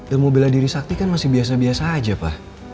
ilmu bela diri sakti kan masih biasa biasa aja pak